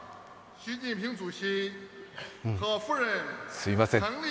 すいません